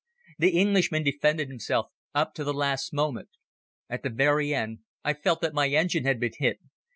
The Englishman defended himself up to the last moment. At the very end I felt that my engine had been hit.